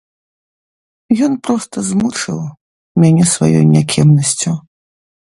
Ён проста змучыў мяне сваёй някемнасцю.